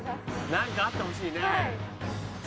何かあってほしいね。